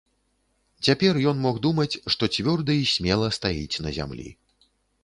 Цяпер ён мог думаць, што цвёрда і смела стаіць на зямлі.